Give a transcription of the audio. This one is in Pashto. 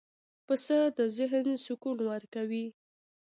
پسه د ذهن سکون ورکوي.